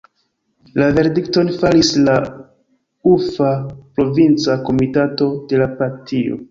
La verdikton faris la Ufa provinca komitato de la partio.